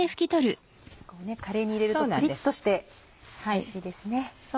カレーに入れるとプリっとしておいしいですね。